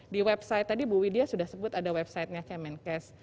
di website tadi bu wit dia sudah sebut ada website nya kemenka